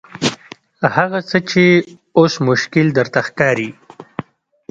هغه څه چې اوس مشکل درته ښکاري.